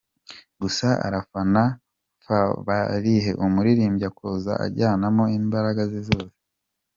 gusa arafana nfabarahiye, umurimo akoze ajyanamo imbaraga ze zose.